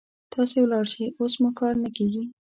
تاسې ولاړ شئ، اوس مو کار نه کيږي.